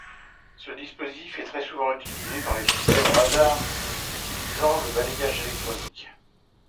Ce dispositif est très souvent utilisé dans les systèmes radar utilisant le balayage électronique.